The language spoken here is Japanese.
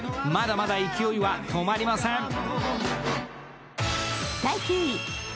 まだまだ勢いは止まりません。